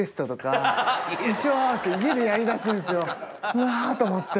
うわと思って。